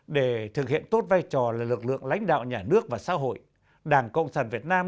để thực hiện tốt vai trò là lực lượng lãnh đạo nhà nước và xã hội đảng cộng sản việt nam